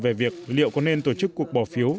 về việc liệu có nên tổ chức cuộc bỏ phiếu